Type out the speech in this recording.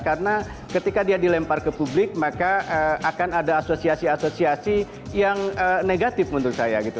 karena ketika dia dilempar ke publik maka akan ada asosiasi asosiasi yang negatif menurut saya